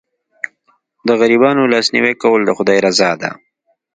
د غریبانو لاسنیوی کول د خدای رضا ده.